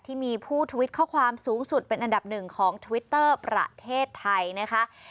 ที่มีผู้ทวิตข้อความสูงสุดเป็นอันดับหนึ่งของทวิตเตอร์ประเทศไทยนะคะ